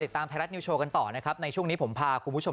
ตามไทยรัฐนิวโชว์กันต่อนะครับในช่วงนี้ผมพาคุณผู้ชม